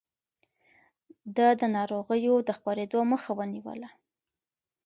ده د ناروغيو د خپرېدو مخه ونيوله.